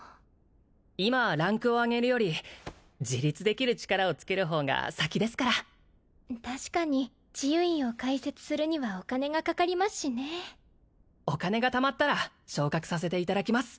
今はランクを上げるより自立できる力をつける方が先ですから確かに治癒院を開設するにはお金がかかりますしねお金がたまったら昇格させていただきます